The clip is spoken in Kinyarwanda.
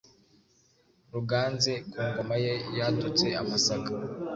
Ruganze, ku ngoma ye hadutse amasaka.